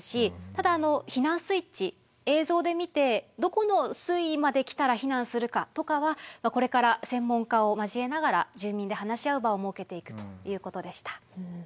ただ避難スイッチ映像で見てどこの水位まで来たら避難するかとかはこれから専門家を交えながら住民で話し合う場を設けていくということでした。